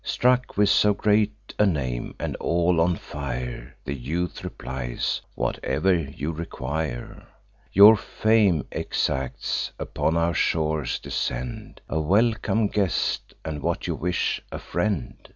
Struck with so great a name, and all on fire, The youth replies: "Whatever you require, Your fame exacts. Upon our shores descend. A welcome guest, and, what you wish, a friend."